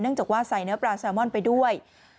จากว่าใส่เนื้อปลาแซลมอนไปด้วย